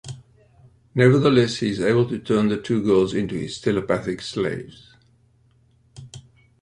Nevertheless, he is able to turn the two girls into his telepathic slaves.